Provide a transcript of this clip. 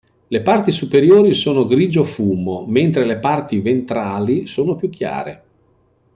Le parti superiori sono grigio-fumo, mentre le parti ventrali sono più chiare.